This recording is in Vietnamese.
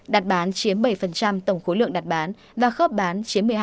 đặt bán chiếm bảy tổng khối lượng đặt bán và khớp bán